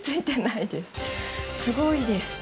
すごいです。